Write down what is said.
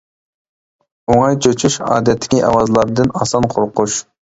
ئوڭاي چۆچۈش، ئادەتتىكى ئاۋازلاردىن ئاسان قورقۇش.